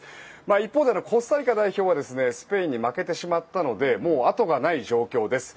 一方でコスタリカ代表はスペインに負けてしまったのでもうあとがない状況です。